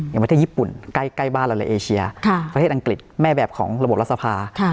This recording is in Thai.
อย่างประเทศญี่ปุ่นใกล้บ้านเราเลยเอเชียประเทศอังกฤษแม่แบบของระบบรัฐสภา